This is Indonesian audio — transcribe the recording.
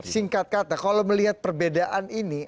singkat kata kalau melihat perbedaan ini